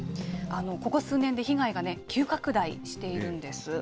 ここ数年で被害が急拡大しているんです。